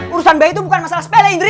urusan biaya itu bukan masalah sepele indri